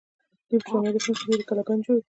دوی په شمالي هند کې ډیرې کلاګانې جوړې کړې.